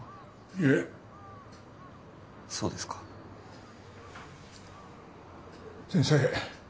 いえそうですか先生